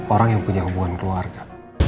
orang yang punya hubungan keluarga